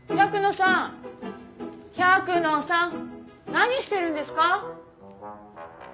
何してるんですか？